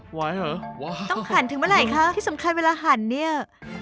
ไหวเหรอว้ายต้องหันถึงเมื่อไหร่คะที่สำคัญเวลาหั่นเนี่ย